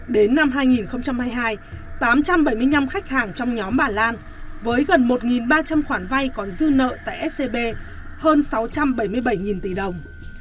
đến năm hai nghìn hai mươi hai tám trăm bảy mươi năm khách hàng trong nhóm bà lan với gần một ba trăm linh khoản vay còn dư nợ tại scb hơn sáu trăm bảy mươi bảy tỷ đồng